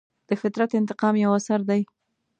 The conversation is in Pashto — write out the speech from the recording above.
د فطرت انتقام یو اثر دی.